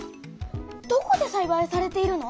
どこでさいばいされているの？